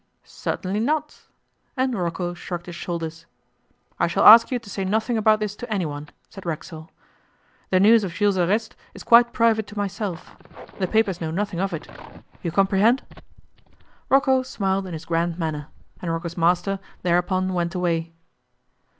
'Certainly not,' and Rocco shrugged his shoulders. 'I shall ask you to say nothing about this to anyone,' said Racksole. 'The news of Jules' arrest is quite private to myself. The papers know nothing of it. You comprehend?' Rocco smiled in his grand manner, and Rocco's master thereupon went away.